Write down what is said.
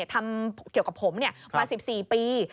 ทำเกี่ยวกับผมมา๑๔ปี